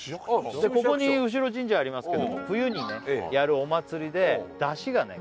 ここに後ろ神社ありますけど冬にねやるお祭りで山車がね